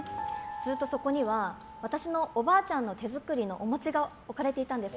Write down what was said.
するとそこには私のおばあちゃんの手作りお餅が置かれていたんです。